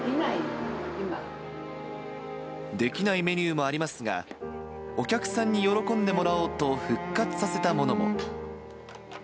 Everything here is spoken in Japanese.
できないメニューもありますが、お客さんに喜んでもらおうと、復活させたものも。